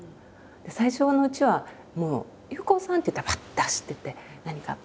最初のうちはもう「憂子さん」って言ったらバッと走ってって「何かあった？